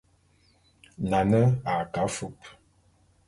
Nane a ke afúp.